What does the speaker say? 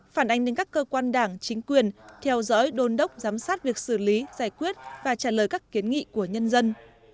phản ánh đến các cơ quan đảng chính quyền theo dõi đôn đốc giám sát việc xử lý giải quyết và trả lời các kiến nghị của nhân dân